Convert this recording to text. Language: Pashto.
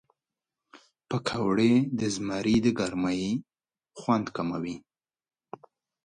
پکورې د زمري د ګرمۍ خوند کموي